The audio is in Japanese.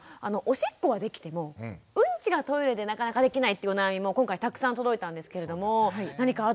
おしっこはできてもうんちがトイレでなかなかできないってお悩みも今回たくさん届いたんですけれども何かアドバイスありますでしょうか？